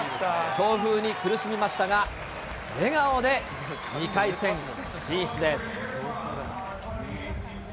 強風に苦しみましたが、笑顔で２回戦進出です。